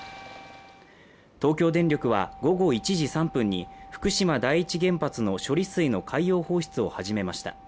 東京電力は午後１時３分に福島第一原発の処理水の海洋放出を始めました。